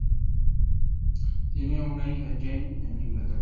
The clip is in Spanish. Tiene una hija, Jane, en Inglaterra.